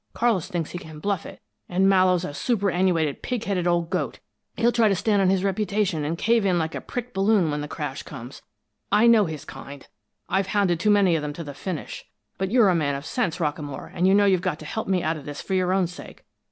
Carlis thinks he can bluff it, and Mallowe's a superannuated, pig headed old goat. He'll try to stand on his reputation, and cave in like a pricked balloon when the crash comes. I know his kind; I've hounded too many of 'em to the finish. But you're a man of sense, Rockamore, and you know you've got to help me out of this for your own sake.